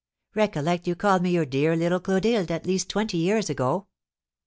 Recollect you called me your dear little Clotilde at least twenty years ago."